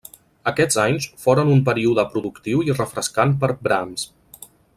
Aquests anys foren un període productiu i refrescant per Brahms.